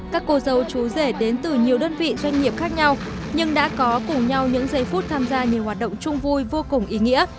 các cô dâu chú rể đến từ nhiều đơn vị doanh nghiệp khác nhau nhưng đã có cùng nhau những giây phút tham gia nhiều hoạt động chung vui vô cùng ý nghĩa